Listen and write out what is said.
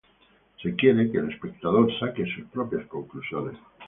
Se quiere que el espectador saque sus propias conclusiones.